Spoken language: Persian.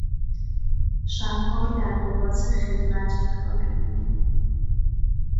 شبها در لباس خدمت میخوابیدیم.